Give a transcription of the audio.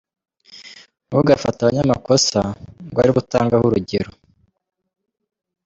Ntugafate abanyamakosa ngo aribo utangaho urugero.